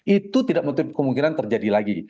itu tidak menutup kemungkinan terjadi lagi